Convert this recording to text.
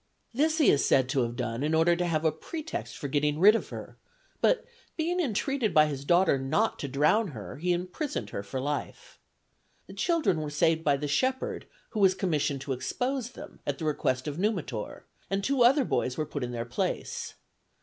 This he is said to have done in order to have a pretext for getting rid of her, but being entreated by his daughter not to drown her, he imprisoned her for life. The children were saved by the shepherd who was commissioned to expose them, at the request of Numitor, and two other boys were put in their place.